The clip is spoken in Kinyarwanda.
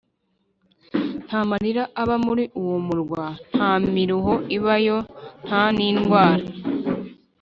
ntamarira aba muri uwo murwa nta miruho ibayo nta nindwara